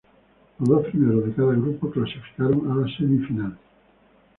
Los dos primeros de cada grupo clasificaron a la semi final.